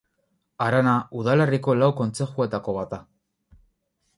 Harana udalerriko lau kontzejuetako bat da.